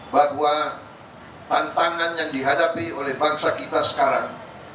bahwa tantangan yang dihadapi oleh bangsa kita sekarang